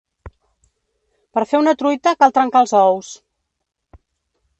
Per fer una truita cal trencar els ous.